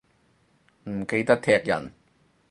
唔記得踢人